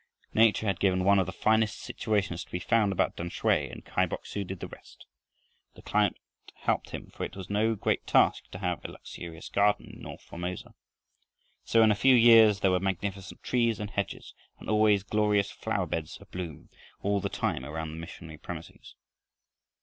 Nature had given one of the finest situations to be found about Tamsui, and Kai Bok su did the rest. The climate helped him, for it was no great task to have a luxurious garden in north Formosa. So, in a few years there were magnificent trees and hedges, and always glorious flower beds abloom all the time around the missionary premises.